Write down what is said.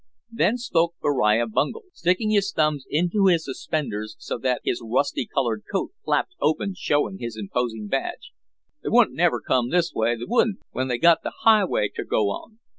Then spoke Beriah Bungel, sticking his thumbs into his suspenders so that his rusty colored coat flapped open showing his imposing badge, "They wouldn' never come this way, they wouldn', when they got th' highway ter go on.